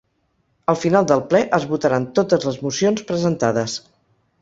Al final del ple, es votaran totes les mocions presentades.